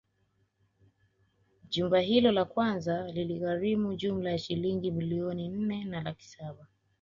Jumba hilo la kwanza liligharimu jumla ya Shilingi milioni nne na laki Saba